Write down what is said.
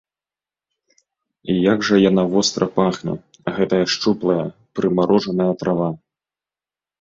І як жа яна востра пахне, гэтая шчуплая, прымарожаная трава!